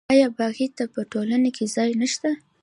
آیا باغي ته په ټولنه کې ځای نشته؟